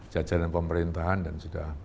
jajanan pemerintahan dan sudah